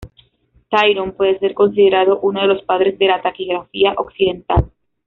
Tirón puede ser considerado uno de los padres de la taquigrafía occidental.